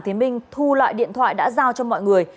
thế minh thu loại điện thoại đã giao cho mọi người